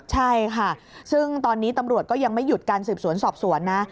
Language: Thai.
ใช่ค่ะซึ่งตอนนี้ตำรวจก็ยังไม่หยุดการสืบสวนสอบสวนนะ